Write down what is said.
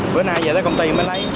bữa nay về tới công ty mới lấy